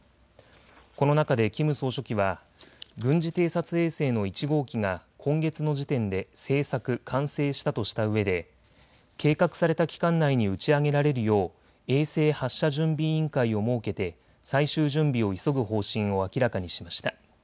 この中でキム総書記は軍事偵察衛星の１号機が今月の時点で製作・完成したとしたうえで計画された期間内に打ち上げられるよう衛星発射準備委員会を設けて最終準備を急ぐ方針を明らかにしました。